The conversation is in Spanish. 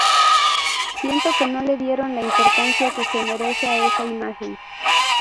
Siento que no le dieron la importancia que se merece a esa imagen.